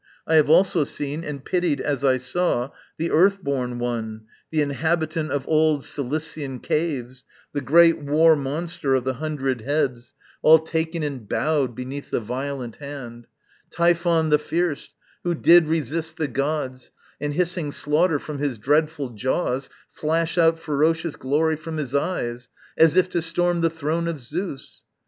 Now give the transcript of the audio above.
I have also seen, And pitied as I saw, the earth born one, The inhabitant of old Cilician caves, The great war monster of the hundred heads, (All taken and bowed beneath the violent Hand,) Typhon the fierce, who did resist the gods, And, hissing slaughter from his dreadful jaws, Flash out ferocious glory from his eyes As if to storm the throne of Zeus.